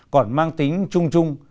còn mang tính chung chung